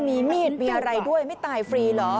มีมีดมีอะไรด้วยไม่ตายฟรีเหรอ